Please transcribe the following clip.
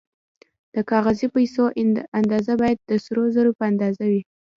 د کاغذي پیسو اندازه باید د سرو زرو په اندازه وي